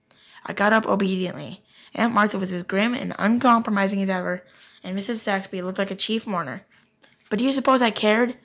I got up obediently. Aunt Martha was as grim and uncompromising as ever, and Mrs. Saxby looked like a chief mourner, but do you suppose I cared?